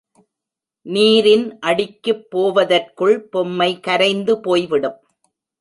நீரின் அடிக்குப் போவதற்குள் பொம்மை கரைந்து போய்விடும்.